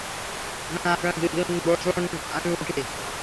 না, আপনারা দুজনেই বসুন– আমি উঠি।